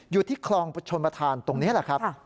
อยู่ที่คลองชนประธานตรงนี้แหละครับ